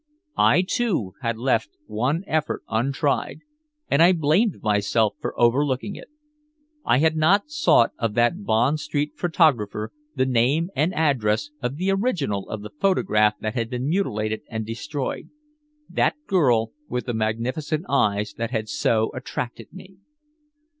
I too had left one effort untried, and I blamed myself for overlooking it. I had not sought of that Bond Street photographer the name and address of the original of the photograph that had been mutilated and destroyed that girl with the magnificent eyes that had so attracted me.